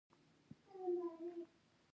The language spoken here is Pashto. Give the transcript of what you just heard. کاناډا د لیکوالانو ملاتړ کوي.